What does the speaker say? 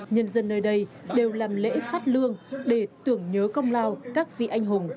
nhân dân nơi đây đều làm lễ phát lương để tưởng nhớ công lao các vị anh hùng